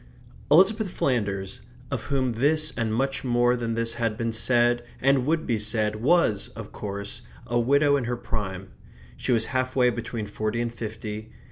Elizabeth Flanders, of whom this and much more than this had been said and would be said, was, of course, a widow in her prime. She was half way between forty and fifty.